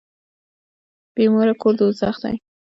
بي موره کور دوږخ دی.